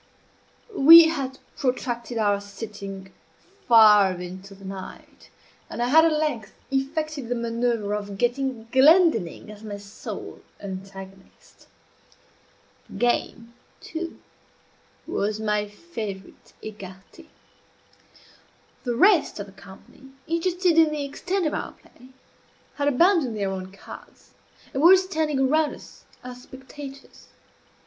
We had protracted our sitting far into the night, and I had at length effected the manoeuvre of getting Glendinning as my sole antagonist. The game, too, was my favorite écarté. The rest of the company, interested in the extent of our play, had abandoned their own cards, and were standing around us as spectators.